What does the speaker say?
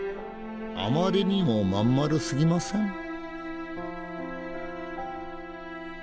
あまりにも真ん丸すぎません？